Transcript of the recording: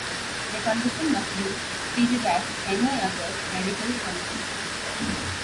Their condition must be treated as any other medical condition.